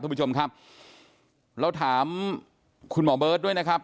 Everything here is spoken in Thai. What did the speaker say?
คุณผู้ชมครับเราถามคุณหมอเบิร์ตด้วยนะครับ